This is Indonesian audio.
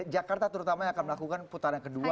jakarta terutama yang akan melakukan putaran kedua